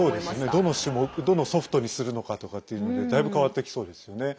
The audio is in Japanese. どの種目、どのソフトにするのかとかっていうのでだいぶ変わってきそうですよね。